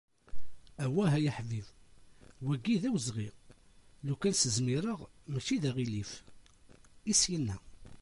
“Awah! ay aḥbib, wagi d awezɣi, lukan s-zmireɣ mačči d aγilif", I as-yenna.